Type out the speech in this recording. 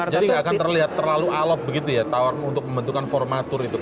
jadi tidak akan terlihat terlalu alot begitu ya tawar untuk membentukkan formatur itu